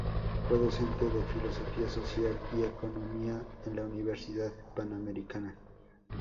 Fue Docente de Filosofía Social y Economía en la Universidad Panamericana.